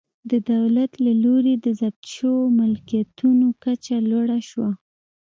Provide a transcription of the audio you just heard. د دولت له لوري د ضبط شویو ملکیتونو کچه لوړه شوه.